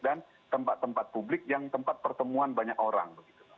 dan tempat tempat publik yang tempat pertemuan banyak orang